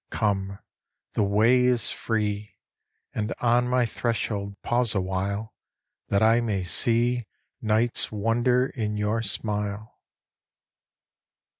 Come ! the way is free, And on my threshold pause a while That I may see Night's wonder in your smile.